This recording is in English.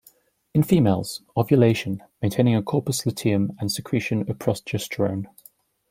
In females: ovulation, maintaining of corpus luteum and secretion of progesterone.